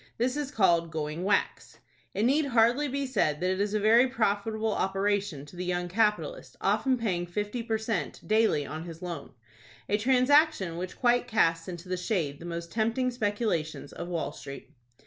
This is called "going whacks." It need hardly be said that it is a very profitable operation to the young capitalist, often paying fifty per cent. daily on his loan,—a transaction which quite casts into the shade the most tempting speculations of Wall Street.